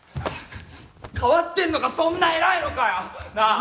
変わってんのがそんな偉いのかよ！なぁ！